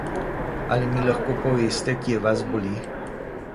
Ali mi lahko poveste, kje vas boli?